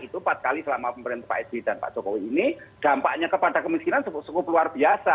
itu empat kali selama pemerintah pak sby dan pak jokowi ini dampaknya kepada kemiskinan cukup luar biasa